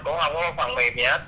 cũng không có phòng mềm gì hết